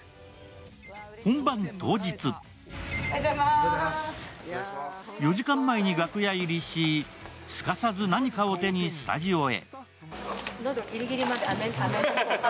本番当日、４時間前に楽屋入りし、すかさず何かを手にスタジオへ。